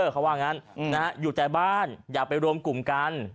เขาว่างั้นอยู่แต่บ้านอย่าไปรวมกลุ่มกัน